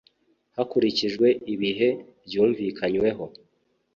Hakurikijwe ibihe byumvikanyweho